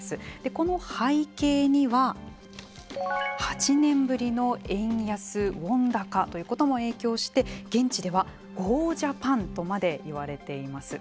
この背景には８年ぶりの円安ウォン高ということも影響して現地ではゴージャパンとまで言われています。